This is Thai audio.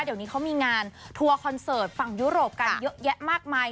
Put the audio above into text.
เดี๋ยวนี้เขามีงานทัวร์คอนเสิร์ตฝั่งยุโรปกันเยอะแยะมากมาย